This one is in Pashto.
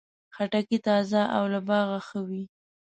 خټکی تازه او له باغه ښه وي.